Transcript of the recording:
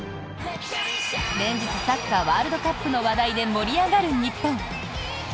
連日サッカーワールドカップの話題で盛り上がる日本！